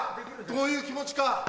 どういう気持ちか。